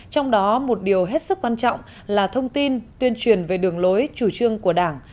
trong đó một điều hết sức quan trọng là thông tin tuyên truyền về đường lối chủ trương của đảng